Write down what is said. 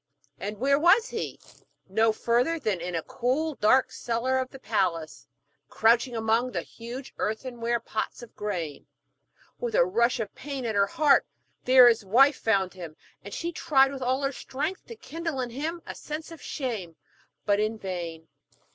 And where was he? No further than in a cool, dark cellar of the palace, crouching among huge earthenware pots of grain. With a rush of pain at her heart, there his wife found him, and she tried with all her strength to kindle in him a sense of shame, but in vain.